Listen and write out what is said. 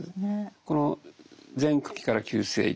この前駆期から急性期